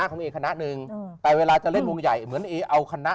แอนยังมาเล่นอยู่นะคะ